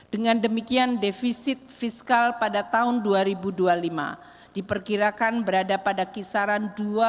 dengan demikian defisit fiskal pada tahun dua ribu dua puluh lima diperkirakan berada pada kisaran dua